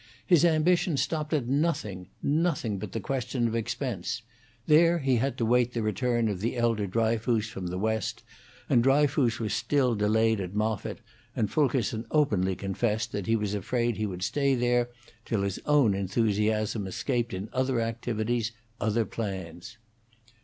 His ambition stopped at nothing, nothing but the question of expense; there he had to wait the return of the elder Dryfoos from the West, and Dryfoos was still delayed at Moffitt, and Fulkerson openly confessed that he was afraid he would stay there till his own enthusiasm escaped in other activities, other plans.